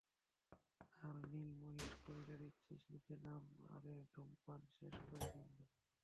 আরে নীল মহিষ, কয় দাঁড়াচ্ছিস নীচে নাম আরে, ধূমপান শেষ করে নামবে।